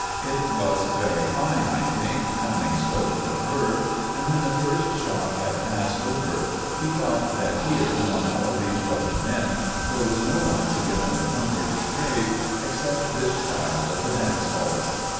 It was very fine, I think, coming so from her, and when the first shock had passed over he felt that here, among all these rugged men, there was no one to give him the comfort he craved except this child of the dance halls.